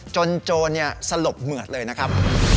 จนโจรเนี่ยสลบเหมือดเลยนะครับ